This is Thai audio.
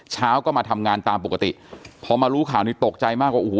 เช้าก็มาทำงานตามปกติพอมารู้ข่าวนี้ตกใจมากว่าโอ้โห